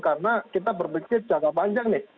karena kita berpikir jangka panjang nih